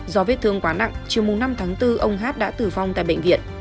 do vết thương quá nặng chiều năm tháng bốn ông hát đã tử vong tại bệnh viện